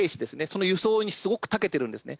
その輸送にすごく長けてるんですね。